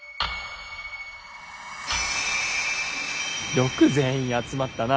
よく全員集まったな。